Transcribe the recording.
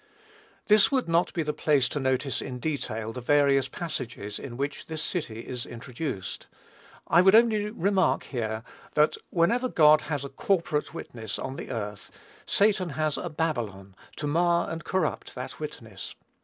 This would not be the place to notice in detail the various passages in which this city is introduced. I would only remark here, that whenever God has a corporate witness on the earth, Satan has a Babylon to mar and corrupt that witness.